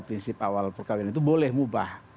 prinsip awal perkawinan itu boleh mubah